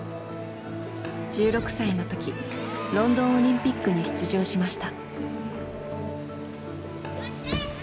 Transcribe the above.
１６歳の時ロンドンオリンピックに出場しました。